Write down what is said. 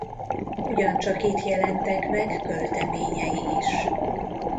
Ugyancsak itt jelentek meg költeményei is.